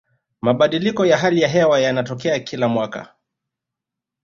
mabadiliko ya hali ya hewa yanatokea kila mwaka